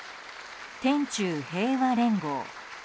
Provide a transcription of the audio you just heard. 天宙平和連合。